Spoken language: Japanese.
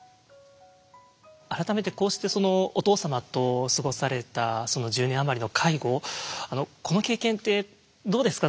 改めてこうしてお父様と過ごされたその１０年余りの介護この経験ってどうですか？